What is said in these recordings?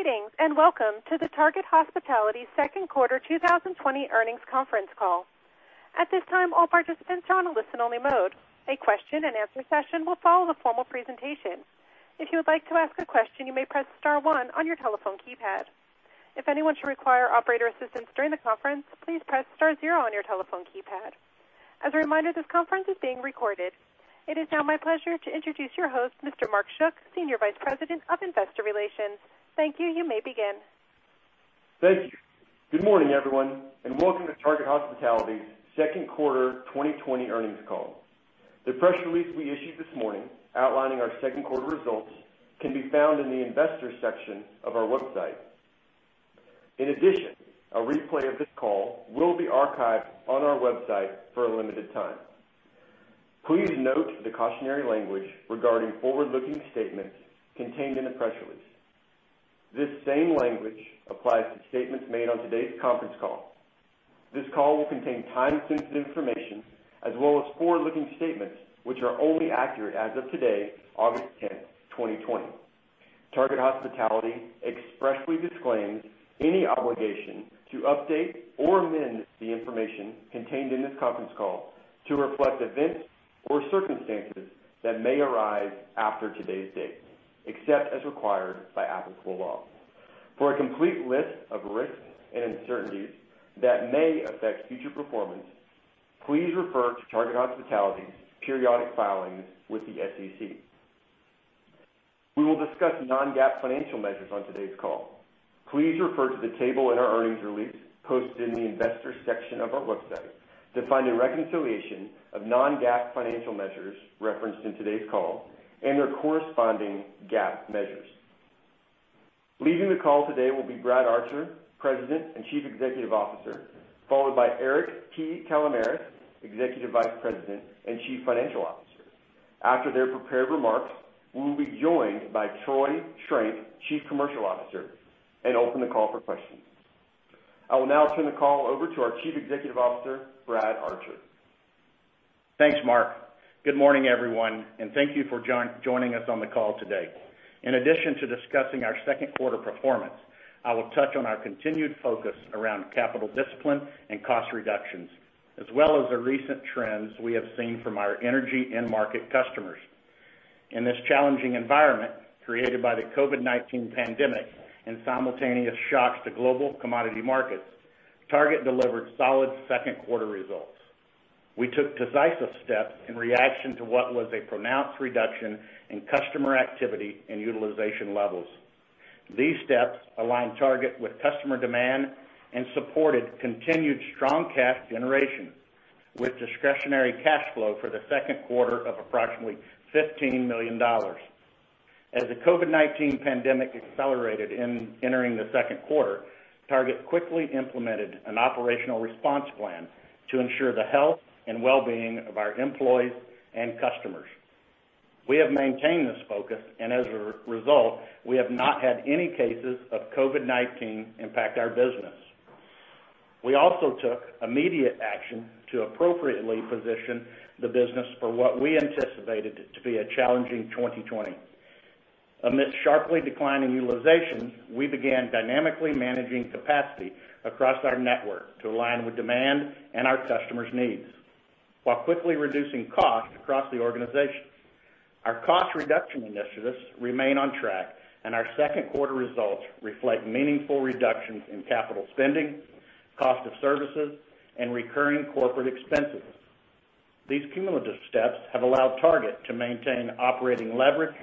Greetings, and welcome to the Target Hospitality Second Quarter 2020 Earnings Conference Call. It is now my pleasure to introduce your host, Mr. Mark Schuck, Senior Vice President of Investor Relations. Thank you. Good morning, everyone, and welcome to Target Hospitality's Second Quarter 2020 Earnings Call. The press release we issued this morning outlining our second quarter results can be found in the investors section of our website. In addition, a replay of this call will be archived on our website for a limited time. Please note the cautionary language regarding forward-looking statements contained in the press release. This same language applies to statements made on today's conference call. This call will contain time-sensitive information as well as forward-looking statements, which are only accurate as of today, August 10th, 2020. Target Hospitality expressly disclaims any obligation to update or amend the information contained in this conference call to reflect events or circumstances that may arise after today's date, except as required by applicable law. For a complete list of risks and uncertainties that may affect future performance, please refer to Target Hospitality's periodic filings with the SEC. We will discuss non-GAAP financial measures on today's call. Please refer to the table in our earnings release posted in the Investors section of our website to find a reconciliation of non-GAAP financial measures referenced in today's call and their corresponding GAAP measures. Leading the call today will be Brad Archer, President and Chief Executive Officer, followed by Eric T. Kalamaras, Executive Vice President and Chief Financial Officer. After their prepared remarks, we will be joined by Troy Schrenk, Chief Commercial Officer, and open the call for questions. I will now turn the call over to our Chief Executive Officer, Brad Archer. Thanks, Mark. Good morning, everyone, Thank you for joining us on the call today. In addition to discussing our second quarter performance, I will touch on our continued focus around capital discipline and cost reductions, as well as the recent trends we have seen from our energy end-market customers. In this challenging environment created by the COVID-19 pandemic and simultaneous shocks to global commodity markets, Target delivered solid second quarter results. We took decisive steps in reaction to what was a pronounced reduction in customer activity and utilization levels. These steps aligned Target with customer demand and supported continued strong cash generation, with discretionary cash flow for the second quarter of approximately $15 million. As the COVID-19 pandemic accelerated in entering the second quarter, Target quickly implemented an operational response plan to ensure the health and well-being of our employees and customers. We have maintained this focus, and as a result, we have not had any cases of COVID-19 impact our business. We also took immediate action to appropriately position the business for what we anticipated to be a challenging 2020. Amidst sharply declining utilization, we began dynamically managing capacity across our network to align with demand and our customers' needs while quickly reducing costs across the organization. Our cost reduction initiatives remain on track, and our second quarter results reflect meaningful reductions in capital spending, cost of services, and recurring corporate expenses. These cumulative steps have allowed Target to maintain operating leverage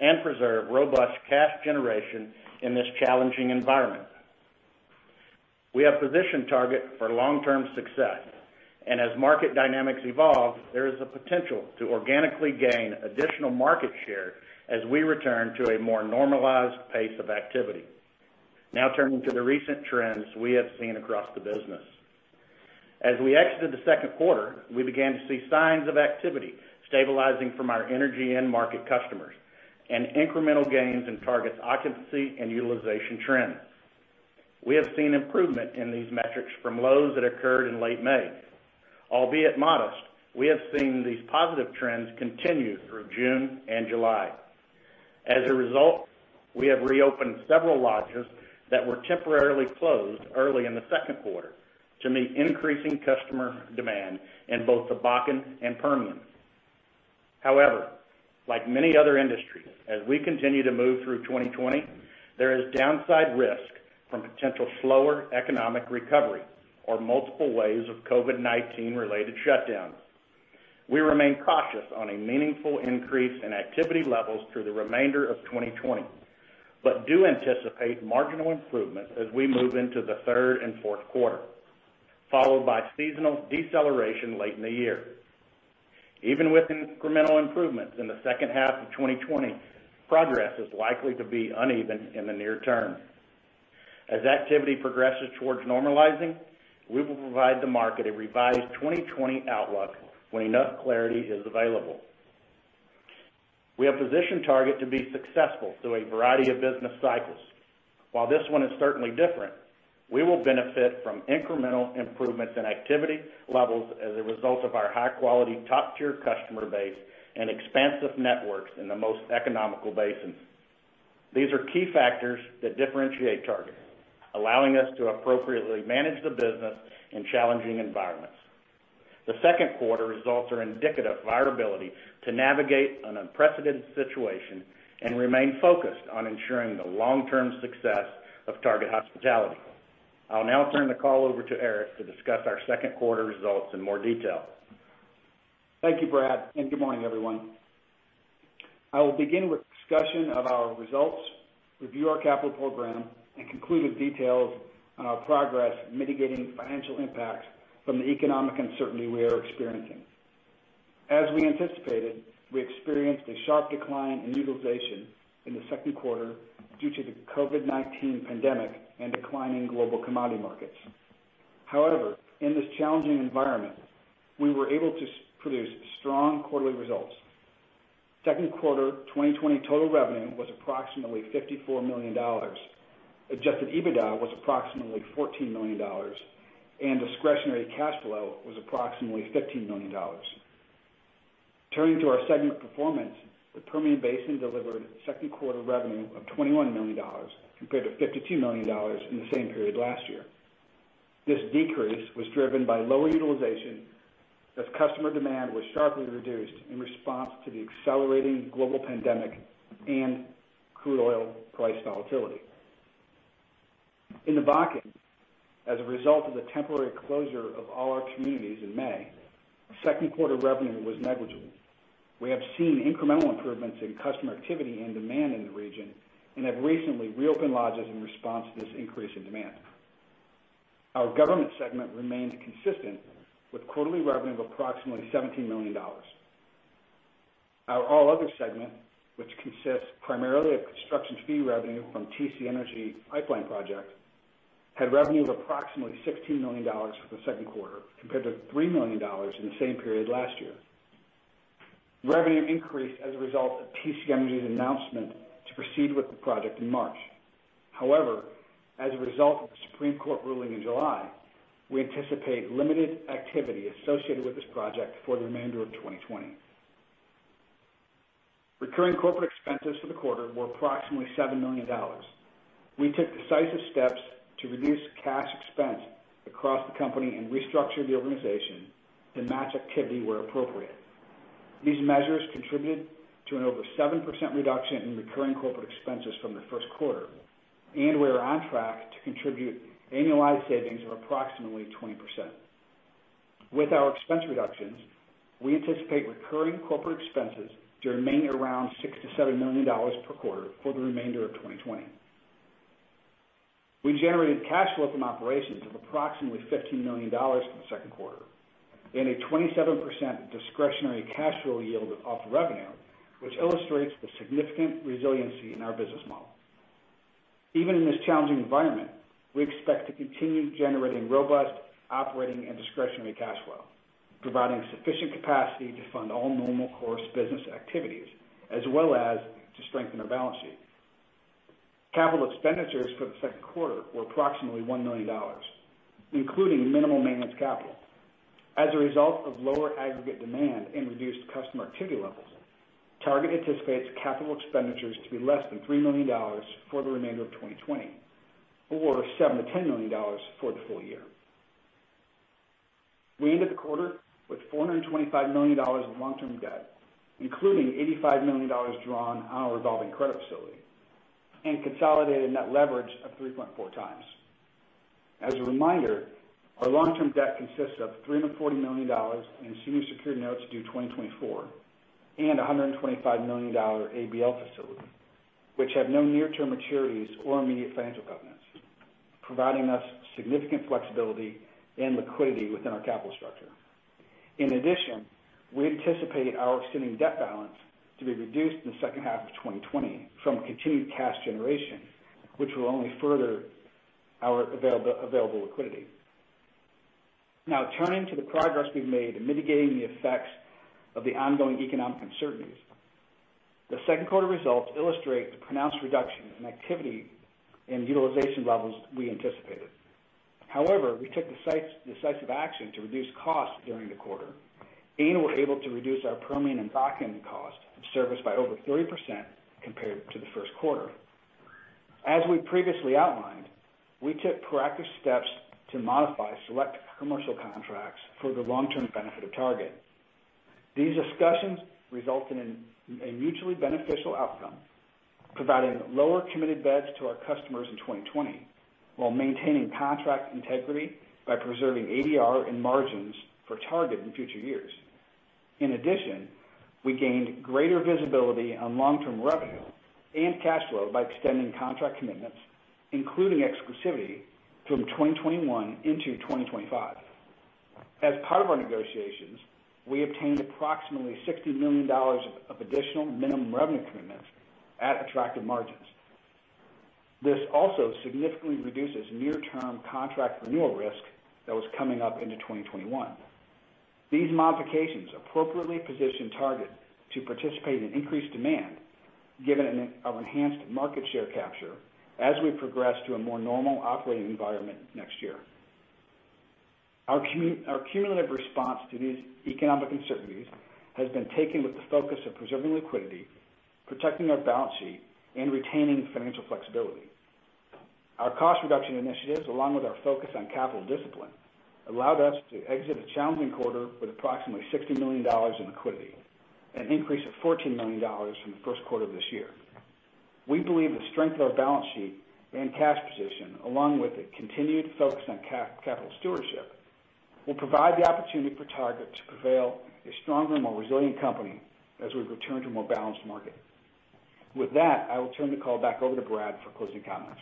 and preserve robust cash generation in this challenging environment. We have positioned Target for long-term success, and as market dynamics evolve, there is a potential to organically gain additional market share as we return to a more normalized pace of activity. Now turning to the recent trends we have seen across the business. As we exited the second quarter, we began to see signs of activity stabilizing from our energy end-market customers and incremental gains in Target's occupancy and utilization trends. We have seen improvement in these metrics from lows that occurred in late May. Albeit modest, we have seen these positive trends continue through June and July. As a result, we have reopened several lodges that were temporarily closed early in the second quarter to meet increasing customer demand in both the Bakken and Permian. Like many other industries, as we continue to move through 2020, there is downside risk from potential slower economic recovery or multiple waves of COVID-19 related shutdowns. We remain cautious on a meaningful increase in activity levels through the remainder of 2020 but do anticipate marginal improvements as we move into the third and fourth quarter, followed by seasonal deceleration late in the year. Even with incremental improvements in the second half of 2020, progress is likely to be uneven in the near term. As activity progresses towards normalizing, we will provide the market a revised 2020 outlook when enough clarity is available. We have positioned Target to be successful through a variety of business cycles. While this one is certainly different. We will benefit from incremental improvements in activity levels as a result of our high-quality, top-tier customer base and expansive networks in the most economical basin. These are key factors that differentiate Target, allowing us to appropriately manage the business in challenging environments. The second quarter results are indicative of our ability to navigate an unprecedented situation and remain focused on ensuring the long-term success of Target Hospitality. I'll now turn the call over to Eric to discuss our second quarter results in more detail. Thank you, Brad, and good morning, everyone. I will begin with a discussion of our results, review our capital program, and conclude with details on our progress mitigating financial impacts from the economic uncertainty we are experiencing. As we anticipated, we experienced a sharp decline in utilization in the second quarter due to the COVID-19 pandemic and decline in global commodity markets. However, in this challenging environment, we were able to produce strong quarterly results. Second quarter 2020 total revenue was approximately $54 million. Adjusted EBITDA was approximately $14 million, and discretionary cash flow was approximately $15 million. Turning to our segment performance, the Permian Basin delivered second quarter revenue of $21 million compared to $52 million in the same period last year. This decrease was driven by lower utilization as customer demand was sharply reduced in response to the accelerating global pandemic and crude oil price volatility. In the Bakken, as a result of the temporary closure of all our communities in May, second quarter revenue was negligible. We have seen incremental improvements in customer activity and demand in the region and have recently reopened lodges in response to this increase in demand. Our government segment remains consistent with quarterly revenue of approximately $17 million. Our all other segment, which consists primarily of construction fee revenue from TC Energy pipeline project, had revenues of approximately $16 million for the second quarter compared to $3 million in the same period last year. Revenue increased as a result of TC Energy's announcement to proceed with the project in March. As a result of the Supreme Court ruling in July, we anticipate limited activity associated with this project for the remainder of 2020. Recurring corporate expenses for the quarter were approximately $7 million. We took decisive steps to reduce cash expense across the company and restructured the organization to match activity where appropriate. These measures contributed to an over 7% reduction in recurring corporate expenses from the first quarter. We are on track to contribute annualized savings of approximately 20%. With our expense reductions, we anticipate recurring corporate expenses to remain around $6 million-$7 million per quarter for the remainder of 2020. We generated cash flow from operations of approximately $15 million for the second quarter, and a 27% discretionary cash flow yield off revenue, which illustrates the significant resiliency in our business model. Even in this challenging environment, we expect to continue generating robust operating and discretionary cash flow, providing sufficient capacity to fund all normal course business activities as well as to strengthen our balance sheet. Capital expenditures for the second quarter were approximately $1 million, including minimal maintenance capital. As a result of lower aggregate demand and reduced customer activity levels, Target anticipates capital expenditures to be less than $3 million for the remainder of 2020 or $7 million-$10 million for the full year. We ended the quarter with $425 million of long-term debt, including $85 million drawn on our revolving credit facility and consolidated net leverage of 3.4x. As a reminder, our long-term debt consists of $340 million in senior secured notes due 2024 and $125 million ABL facility, which have no near-term maturities or immediate financial covenants, providing us significant flexibility and liquidity within our capital structure. In addition, we anticipate our assuming debt balance to be reduced in the second half of 2020 from a continued cash generation, which will only further our available liquidity. Now turning to the progress we've made in mitigating the effects of the ongoing economic uncertainties. The second quarter results illustrate the pronounced reduction in activity and utilization levels we anticipated. However, we took decisive action to reduce costs during the quarter and were able to reduce our Permian and Bakken cost of service by over 30% compared to the first quarter. As we previously outlined, we took proactive steps to modify select commercial contracts for the long-term benefit of Target. These discussions resulted in a mutually beneficial outcome, providing lower committed beds to our customers in 2020 while maintaining contract integrity by preserving ADR and margins for Target in future years. In addition, we gained greater visibility on long-term revenue and cash flow by extending contract commitments, including exclusivity, from 2021 into 2025. As part of our negotiations, we obtained approximately $60 million of additional minimum revenue commitments at attractive margins. This also significantly reduces near-term contract renewal risk that was coming up into 2021. These modifications appropriately position Target to participate in increased demand given our enhanced market share capture as we progress to a more normal operating environment next year. Our cumulative response to these economic uncertainties has been taken with the focus of preserving liquidity, protecting our balance sheet, and retaining financial flexibility. Our cost reduction initiatives, along with our focus on capital discipline, allowed us to exit a challenging quarter with approximately $60 million in liquidity, an increase of $14 million from the first quarter of this year. We believe the strength of our balance sheet and cash position, along with a continued focus on capital stewardship, will provide the opportunity for Target to prevail a stronger, more resilient company as we return to a more balanced market. With that, I will turn the call back over to Brad for closing comments.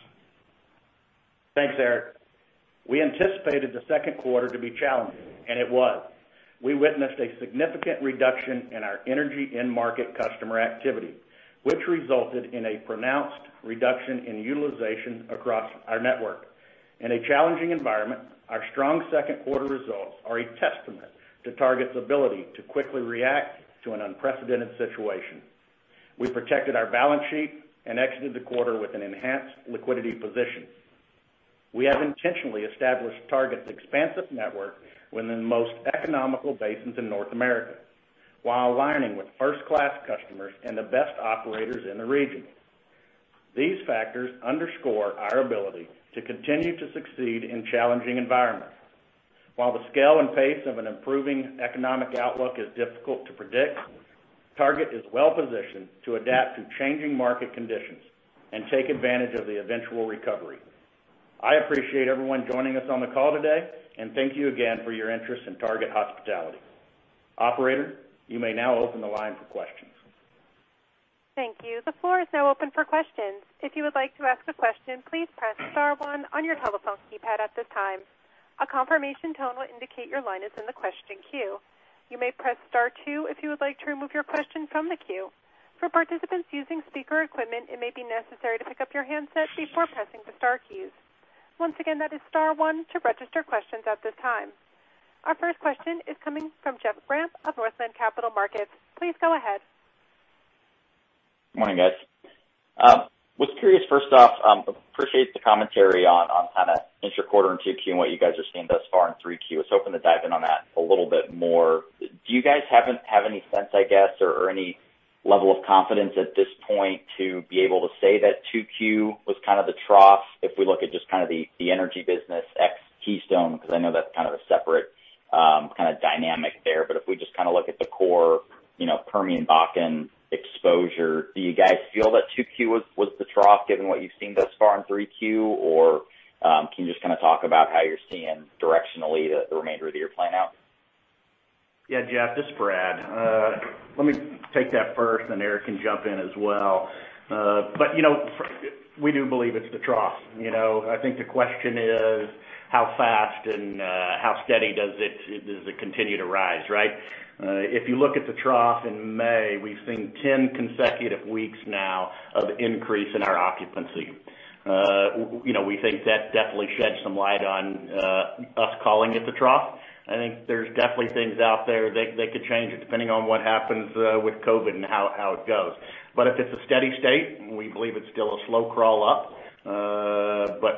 Thanks, Eric. We anticipated the second quarter to be challenging, and it was. We witnessed a significant reduction in our energy end-market customer activity, which resulted in a pronounced reduction in utilization across our network. In a challenging environment, our strong second quarter results are a testament to Target's ability to quickly react to an unprecedented situation. We protected our balance sheet and exited the quarter with an enhanced liquidity position. We have intentionally established Target's expansive network within the most economical basins in North America while aligning with first-class customers and the best operators in the region. These factors underscore our ability to continue to succeed in challenging environments. While the scale and pace of an improving economic outlook is difficult to predict, Target is well-positioned to adapt to changing market conditions and take advantage of the eventual recovery. I appreciate everyone joining us on the call today, and thank you again for your interest in Target Hospitality. Operator, you may now open the line for questions. Thank you. The floor is now open for questions. Our first question is coming from Jeff Grampp of Northland Capital Markets. Please go ahead. Morning, guys. I was curious, first off, appreciate the commentary on inter-quarter and 2Q and what you guys are seeing thus far in 3Q. I was hoping to dive in on that a little bit more. Do you guys have any sense, I guess, or any level of confidence at this point to be able to say that 2Q was kind of the trough, if we look at just the energy business ex Keystone? I know that's a separate kind of dynamic there. If we just look at the core Permian-Bakken exposure, do you guys feel that 2Q was the trough given what you've seen thus far in 3Q? Can you just kind of talk about how you're seeing directionally the remainder of the year playing out? Yeah, Jeff, this is Brad. Let me take that first, and Eric can jump in as well. We do believe it's the trough. I think the question is how fast and how steady does it continue to rise, right? If you look at the trough in May, we've seen 10 consecutive weeks now of increase in our occupancy. We think that definitely sheds some light on us calling it the trough. I think there's definitely things out there that could change it depending on what happens with COVID and how it goes. If it's a steady state, we believe it's still a slow crawl up.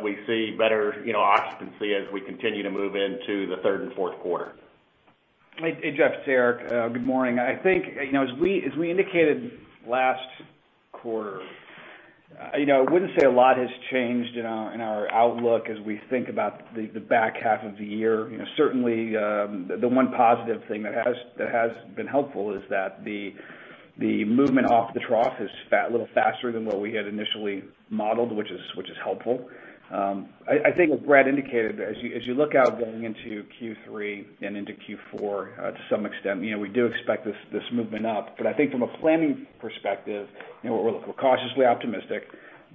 We see better occupancy as we continue to move into the third and fourth quarter. Hey, Jeff, it's Eric. Good morning. I think, as we indicated last quarter, I wouldn't say a lot has changed in our outlook as we think about the back half of the year. Certainly, the one positive thing that has been helpful is that the movement off the trough is a little faster than what we had initially modeled, which is helpful. I think what Brad indicated, as you look out going into Q3 and into Q4, to some extent, we do expect this movement up. I think from a planning perspective, we're cautiously optimistic,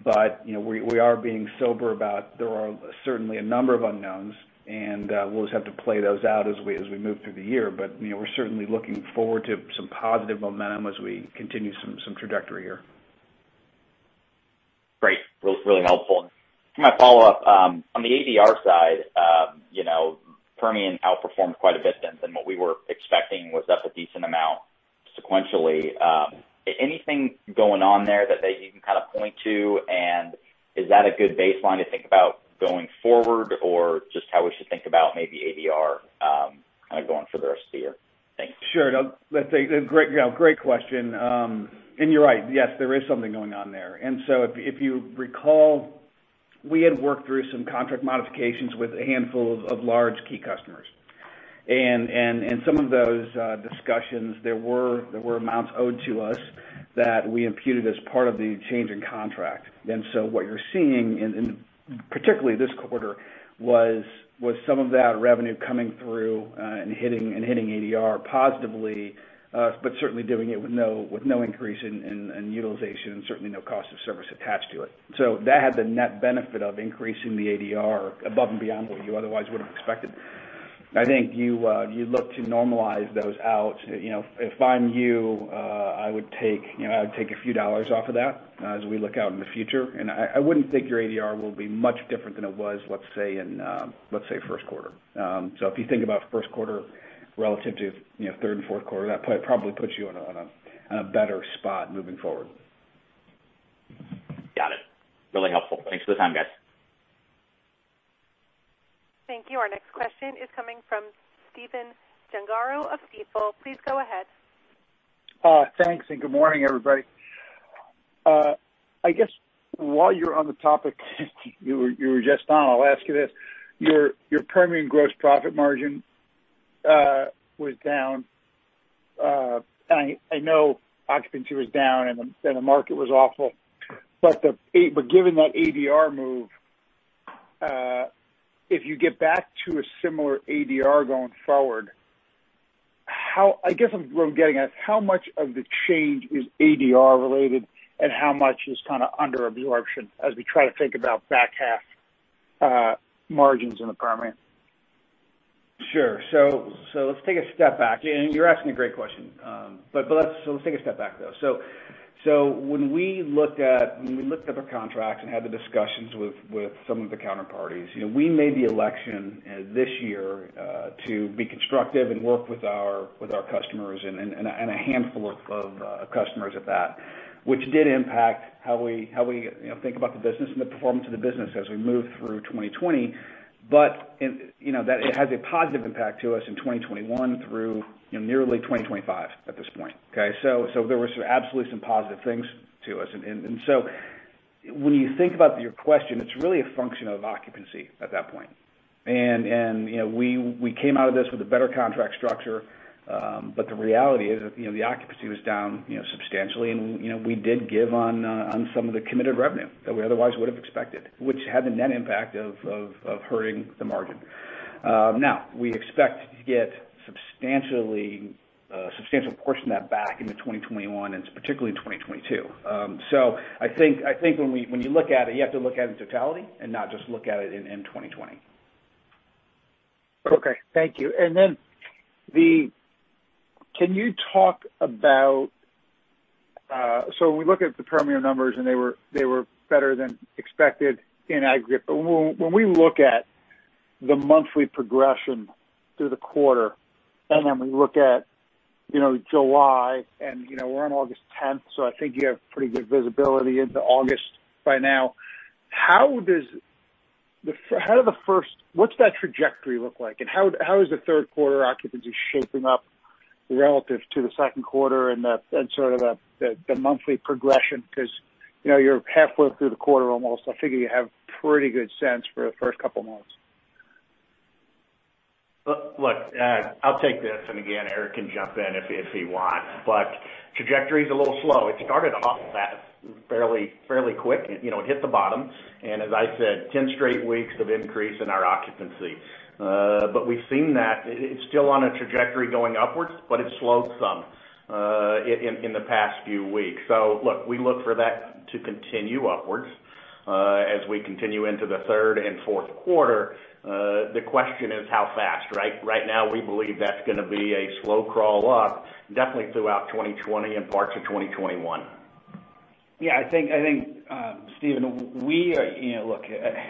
but we are being sober about there are certainly a number of unknowns, and we'll just have to play those out as we move through the year. We're certainly looking forward to some positive momentum as we continue some trajectory here. Great. Really helpful. My follow-up, on the ADR side, Permian outperformed quite a bit than what we were expecting. Was up a decent amount sequentially. Anything going on there that you can kind of point to? Is that a good baseline to think about going forward? Or just how we should think about maybe ADR kind of going for the rest of the year? Thanks. Sure. Great question. You're right. Yes, there is something going on there. If you recall, we had worked through some contract modifications with a handful of large key customers. In some of those discussions, there were amounts owed to us that we imputed as part of the change in contract. What you're seeing in particularly this quarter was some of that revenue coming through and hitting ADR positively. Certainly doing it with no increase in utilization, and certainly no cost of service attached to it. That had the net benefit of increasing the ADR above and beyond what you otherwise would have expected. I think you look to normalize those out. If I'm you, I would take a few dollars off of that as we look out in the future. I wouldn't think your ADR will be much different than it was, let's say, in first quarter. If you think about first quarter relative to third and fourth quarter, that probably puts you in a better spot moving forward. Got it. Really helpful. Thanks for the time, guys. Thank you. Our next question is coming from Stephen Gengaro of Stifel. Please go ahead. Thanks, good morning, everybody. I guess while you're on the topic you were just on, I'll ask you this. Your Permian gross profit margin was down. I know occupancy was down and the market was awful. Given that ADR move, if you get back to a similar ADR going forward, I guess what I'm getting at, how much of the change is ADR related and how much is under absorption as we try to think about back half margins in the Permian? Sure. Let's take a step back. You're asking a great question, but let's take a step back, though. When we looked at the contracts and had the discussions with some of the counterparties, we made the election this year to be constructive and work with our customers, and a handful of customers at that, which did impact how we think about the business and the performance of the business as we move through 2020. It has a positive impact to us in 2021 through nearly 2025 at this point. Okay. There were absolutely some positive things to us. When you think about your question, it's really a function of occupancy at that point. We came out of this with a better contract structure. The reality is, the occupancy was down substantially, and we did give on some of the committed revenue that we otherwise would have expected, which had the net impact of hurting the margin. We expect to get a substantial portion of that back into 2021, and particularly in 2022. I think when you look at it, you have to look at it in totality and not just look at it in 2020. Okay, thank you. Then, can you talk about-- When we look at the Permian numbers, they were better than expected in aggregate. When we look at the monthly progression through the quarter, then we look at July, we're on August 10th, I think you have pretty good visibility into August by now. What's that trajectory look like? How is the third quarter occupancy shaping up relative to the second quarter and the monthly progression? You're halfway through the quarter almost. I figure you have pretty good sense for the first couple of months. I'll take this, and again, Eric can jump in if he wants. Trajectory's a little slow. It started off fast, fairly quick. It hit the bottom, as I said, 10 straight weeks of increase in our occupancy. We've seen that it's still on a trajectory going upwards, but it slowed some in the past few weeks. We look for that to continue upwards as we continue into the third and fourth quarter. The question is how fast, right? Right now, we believe that's going to be a slow crawl up, definitely throughout 2020 and parts of 2021. Yeah, I think, Stephen, look,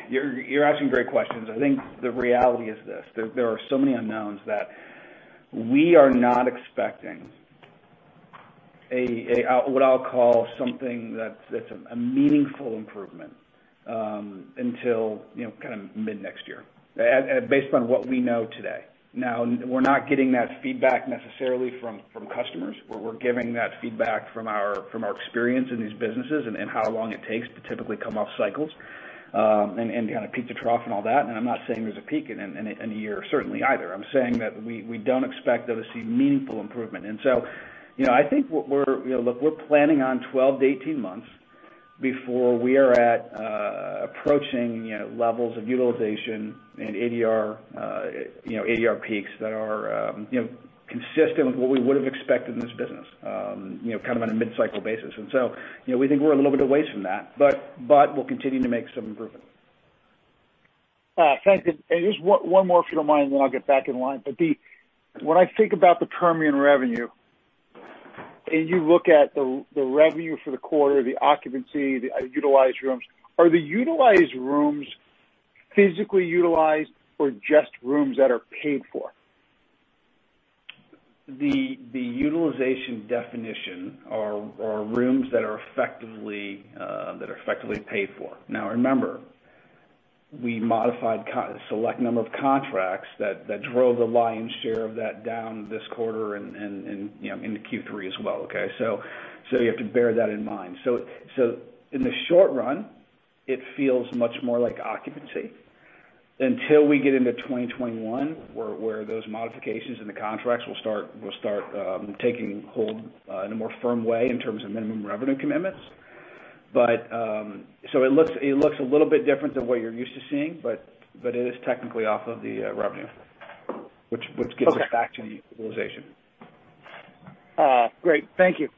you're asking great questions. I think the reality is this. There are so many unknowns that we are not expecting what I'll call something that's a meaningful improvement until mid next year, based upon what we know today. We're not getting that feedback necessarily from customers. We're giving that feedback from our experience in these businesses and how long it takes to typically come off cycles and peak to trough and all that. I'm not saying there's a peak in one year, certainly, either. I'm saying that we don't expect, though, to see meaningful improvement. I think, look, we're planning on 12 to 18 months before we are at approaching levels of utilization and ADR peaks that are consistent with what we would have expected in this business on a mid-cycle basis. We think we're a little bit away from that. We're continuing to make some improvements. Thank you. Just one more, if you don't mind, then I'll get back in line. When I think about the Permian revenue, and you look at the revenue for the quarter, the occupancy, the utilized rooms. Are the utilized rooms physically utilized or just rooms that are paid for? The utilization definition are rooms that are effectively paid for. Remember, we modified a select number of contracts that drove the lion's share of that down this quarter and into Q3 as well, okay? You have to bear that in mind. In the short run, it feels much more like occupancy until we get into 2021, where those modifications and the contracts will start taking hold in a more firm way in terms of minimum revenue commitments. It looks a little bit different than what you're used to seeing, but it is technically off of the revenue, which gets us back to the utilization. Great. Thank you.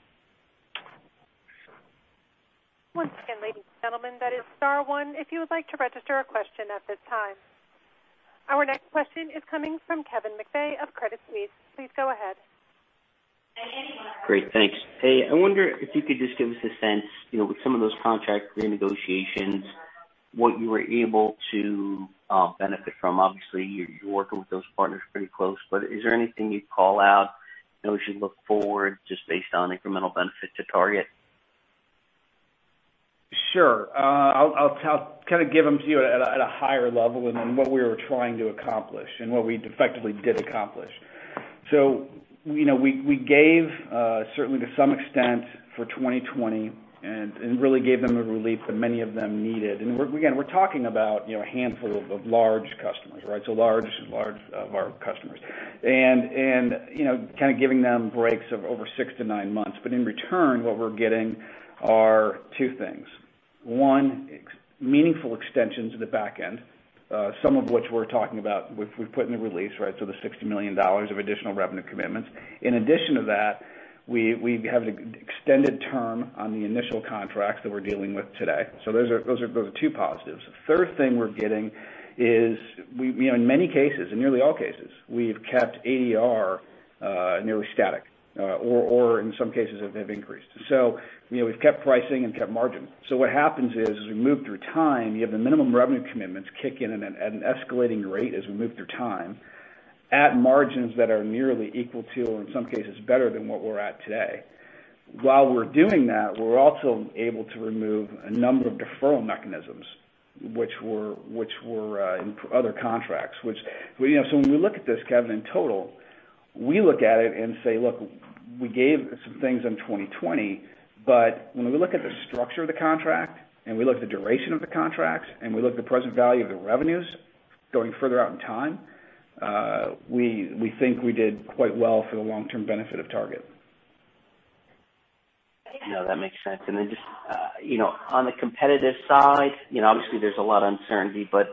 Once again, ladies and gentlemen, that is star one if you would like to register a question at this time. Our next question is coming from Kevin McVeigh of Credit Suisse. Please go ahead. Great, thanks. Hey, I wonder if you could just give us a sense, with some of those contract renegotiations, what you were able to benefit from. Obviously, you're working with those partners pretty close, but is there anything you'd call out, we should look forward just based on incremental benefit to Target? Sure. I'll kind of give them to you at a higher level and then what we were trying to accomplish and what we effectively did accomplish. We gave, certainly to some extent, for 2020, and really gave them a relief that many of them needed. Again, we're talking about a handful of large customers. So large of our customers. Kind of giving them breaks of over six to nine months. In return, what we're getting are two things. One, meaningful extensions at the back end, some of which we're talking about, which we've put in the release. The $60 million of additional revenue commitments. In addition to that, we have extended term on the initial contracts that we're dealing with today. Those are two positives. Third thing we're getting is, in many cases, in nearly all cases, we've kept ADR nearly static. In some cases, have increased. We've kept pricing and kept margin. What happens is, as we move through time, you have the minimum revenue commitments kick in at an escalating rate as we move through time, at margins that are nearly equal to, or in some cases better than what we're at today. While we're doing that, we're also able to remove a number of deferral mechanisms, which were in other contracts. When we look at this, Kevin, in total, we look at it and say, "Look, we gave some things in 2020." When we look at the structure of the contract and we look at the duration of the contracts and we look at the present value of the revenues going further out in time, we think we did quite well for the long-term benefit of Target. No, that makes sense. Just on the competitive side, obviously there's a lot of uncertainty, but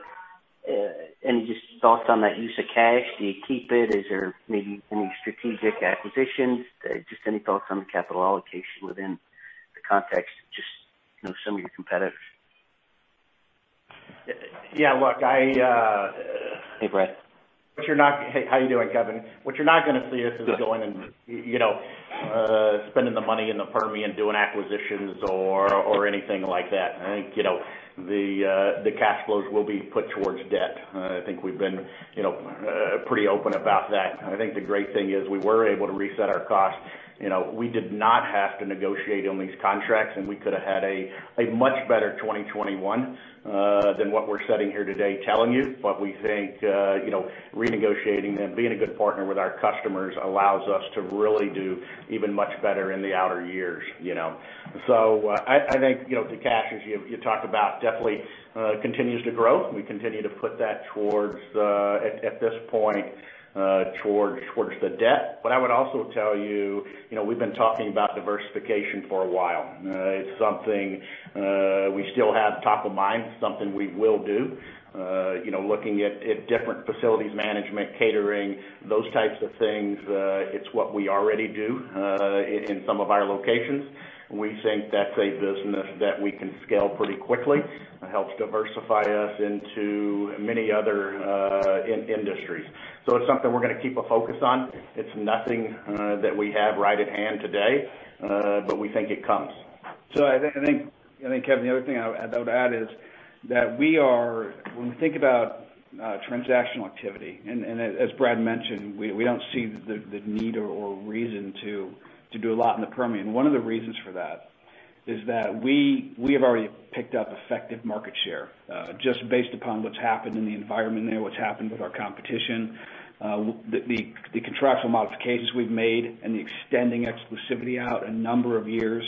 any just thoughts on that use of cash? Do you keep it? Is there maybe any strategic acquisitions? Just any thoughts on the capital allocation within the context, just some of your competitors. Yeah. Look- Hey, Brad. Hey. How you doing, Kevin? What you're not going to see us is going and spending the money in the Permian doing acquisitions or anything like that. I think, the cash flows will be put towards debt. I think we've been pretty open about that. I think the great thing is we were able to reset our costs. We did not have to negotiate on these contracts, we could've had a much better 2021 than what we're sitting here today telling you. We think renegotiating them, being a good partner with our customers allows us to really do even much better in the outer years. I think, the cash, as you talked about, definitely continues to grow. We continue to put that towards, at this point, towards the debt. I would also tell you, we've been talking about diversification for a while. It's something we still have top of mind, something we will do. Looking at different facilities management, catering, those types of things. It's what we already do in some of our locations. We think that's a business that we can scale pretty quickly. It helps diversify us into many other industries. It's something we're going to keep a focus on. It's nothing that we have right at hand today, but we think it comes. I think, Kevin, the other thing I would add is that when we think about transactional activity, and as Brad mentioned, we don't see the need or reason to do a lot in the Permian. One of the reasons for that is that we have already picked up effective market share, just based upon what's happened in the environment there, what's happened with our competition. The contractual modifications we've made and the extending exclusivity out a number of years,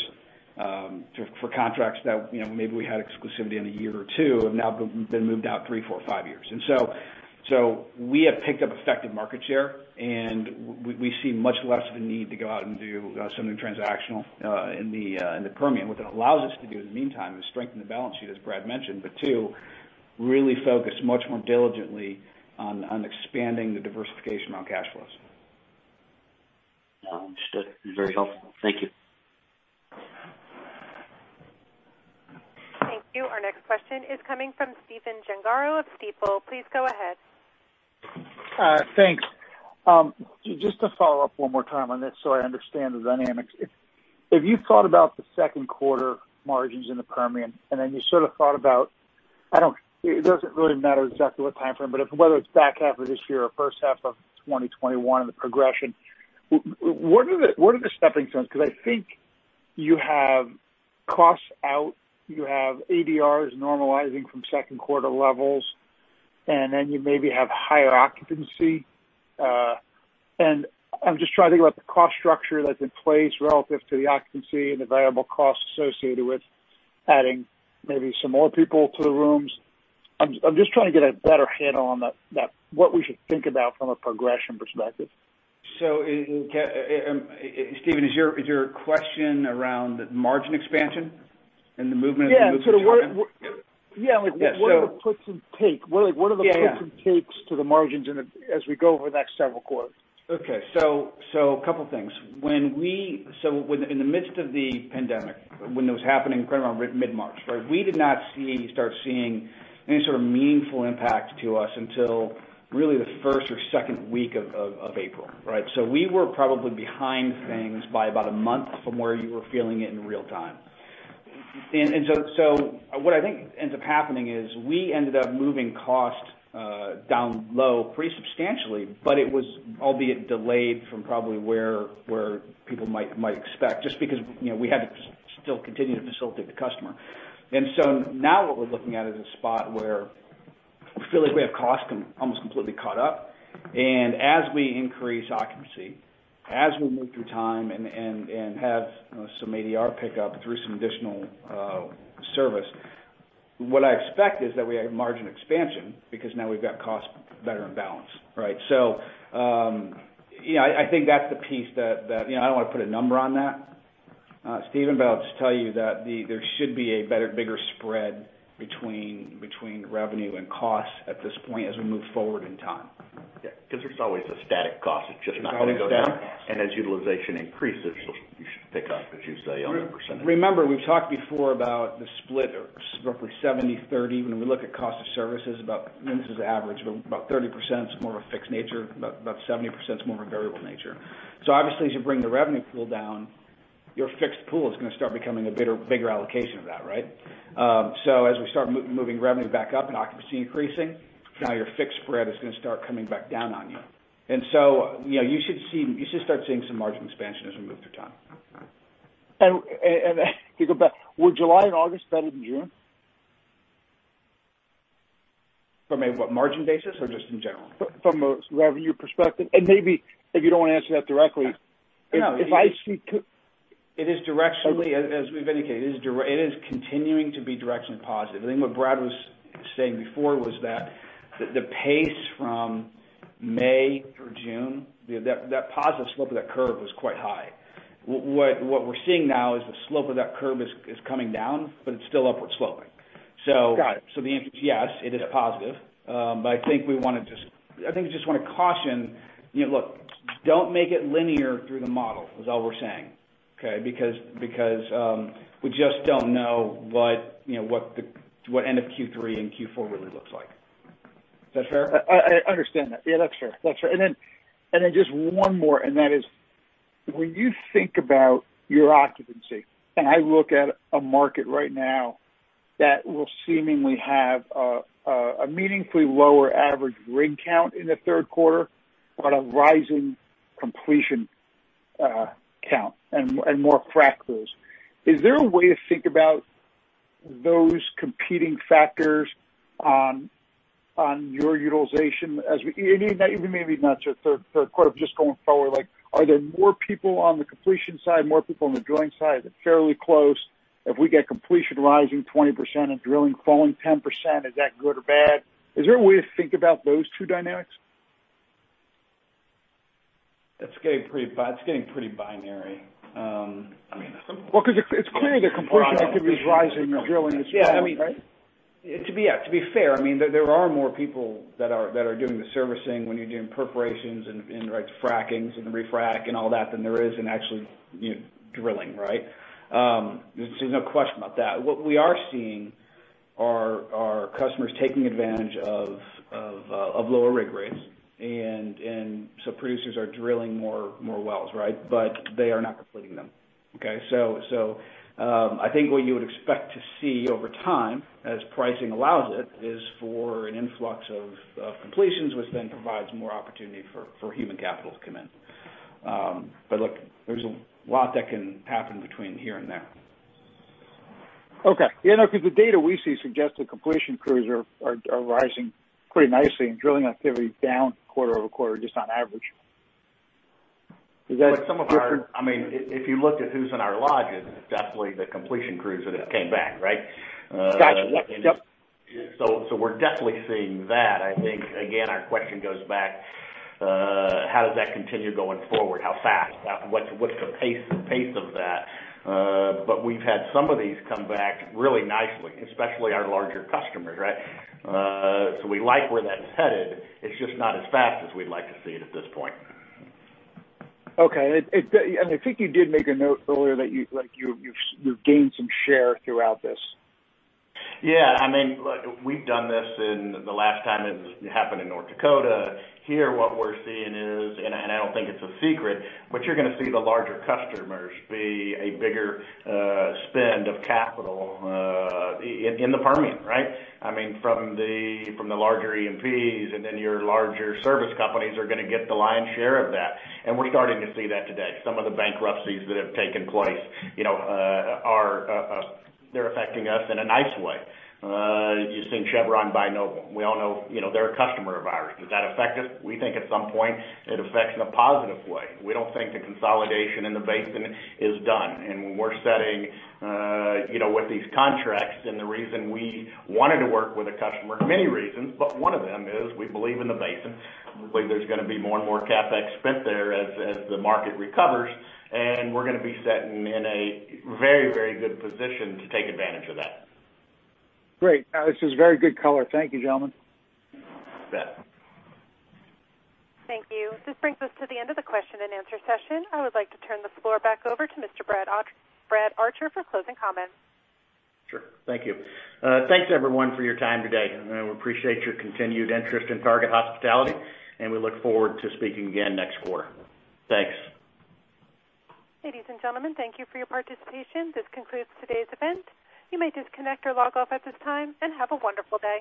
for contracts that maybe we had exclusivity on a year or two, have now been moved out three, four, five years. We have picked up effective market share, and we see much less of a need to go out and do something transactional in the Permian. What that allows us to do in the meantime is strengthen the balance sheet, as Brad mentioned, but two, really focus much more diligently on expanding the diversification around cash flows. Understood. Very helpful. Thank you. Thank you. Our next question is coming from Stephen Gengaro of Stifel. Please go ahead. Thanks. Just to follow up one more time on this so I understand the dynamics. If you thought about the second quarter margins in the Permian, and then you sort of thought about, it doesn't really matter exactly what timeframe, but whether it's back half of this year or first half of 2021 and the progression, what are the stepping stones? I think you have costs out, you have ADRs normalizing from second quarter levels, and then you maybe have higher occupancy. I'm just trying to think about the cost structure that's in place relative to the occupancy and the variable costs associated with adding maybe some more people to the rooms. I'm just trying to get a better handle on what we should think about from a progression perspective. Stephen, is your question around margin expansion and the movement Yeah. What are the puts and takes to the margins as we go over the next several quarters? Okay. A couple of things. In the midst of the pandemic, when it was happening right around mid-March, we did not start seeing any sort of meaningful impact to us until really the first or second week of April. We were probably behind things by about a month from where you were feeling it in real time. What I think ends up happening is we ended up moving cost down low pretty substantially, but it was albeit delayed from probably where people might expect, just because we had to still continue to facilitate the customer. Now what we're looking at is a spot where I feel like we have costs almost completely caught up. As we increase occupancy, as we move through time and have some ADR pickup through some additional service, what I expect is that we have margin expansion because now we've got costs better in balance. I think that's the piece that, I don't want to put a number on that, Stephen, but I'll just tell you that there should be a better, bigger spread between revenue and costs at this point as we move forward in time. Yeah, because there's always a static cost. It's just not going to go down. As utilization increases, it should pick up, as you say, on the percentage. We've talked before about the split, roughly 70/30, when we look at cost of services, and this is average, but about 30% is more of a fixed nature, about 70% is more of a variable nature. Obviously, as you bring the revenue pool down, your fixed pool is going to start becoming a bigger allocation of that. As we start moving revenue back up and occupancy increasing, now your fixed spread is going to start coming back down on you. You should start seeing some margin expansion as we move through time. To go back, were July and August better than June? From a margin basis or just in general? From a revenue perspective. Maybe if you don't want to answer that directly. It is directionally, as we've indicated, it is continuing to be directionally positive. I think what Brad was saying before was that the pace from May through June, that positive slope of that curve was quite high. What we're seeing now is the slope of that curve is coming down, but it's still upward sloping. Got it. The answer is yes, it is positive. I think we just want to caution, look, don't make it linear through the model, is all we're saying. We just don't know what end of Q3 and Q4 really looks like. Is that fair? I understand that. Yeah, that's fair. Just one more, and that is when you think about your occupancy, and I look at a market right now that will seemingly have a meaningfully lower average rig count in the third quarter on a rising completion count and more frac crews. Is there a way to think about those competing factors on your utilization? Even maybe not your third quarter, but just going forward. Are there more people on the completion side, more people on the drilling side? Is it fairly close? If we get completion rising 20% and drilling falling 10%, is that good or bad? Is there a way to think about those two dynamics? It's getting pretty binary. Well, because it's clear the completion activity is rising and drilling is falling, right? Yeah. To be fair, there are more people that are doing the servicing when you're doing perforations and frackings and refrac and all that than there is in actually drilling. There's no question about that. What we are seeing are customers taking advantage of lower rig rates. Producers are drilling more wells but they are not completing them. I think what you would expect to see over time, as pricing allows it, is for an influx of completions, which then provides more opportunity for human capital to come in. Look, there's a lot that can happen between here and there. Okay. The data we see suggests that completion crews are rising pretty nicely and drilling activity down quarter-over-quarter, just on average. If you looked at who's in our lodges, it's definitely the completion crews that came back. Got you. Yep. We're definitely seeing that. I think, again, our question goes back, how does that continue going forward? How fast? What's the pace of that? We've had some of these come back really nicely, especially our larger customers. We like where that's headed. It's just not as fast as we'd like to see it at this point. Okay. I think you did make a note earlier that you've gained some share throughout this. Yeah. We've done this in the last time it happened in North Dakota. Here, what we're seeing is, and I don't think it's a secret, but you're going to see the larger customers be a bigger spend of capital in the Permian. From the larger E&Ps and then your larger service companies are going to get the lion's share of that. We're starting to see that today. Some of the bankruptcies that have taken place, they're affecting us in a nice way. You've seen Chevron buy Noble. We all know they're a customer of ours. Does that affect us? We think at some point it affects in a positive way. We don't think the consolidation in the basin is done. When we're setting with these contracts and the reason we wanted to work with a customer, many reasons, but one of them is we believe in the basin. We believe there's going to be more and more CapEx spent there as the market recovers, and we're going to be sitting in a very good position to take advantage of that. Great. This is very good color. Thank you, gentlemen. You bet. Thank you. This brings us to the end of the question and answer session. I would like to turn the floor back over to Mr. Brad Archer for closing comments. Sure. Thank you. Thanks everyone for your time today. We appreciate your continued interest in Target Hospitality, and we look forward to speaking again next quarter. Thanks. Ladies and gentlemen, thank you for your participation. This concludes today's event. You may disconnect or log off at this time, and have a wonderful day.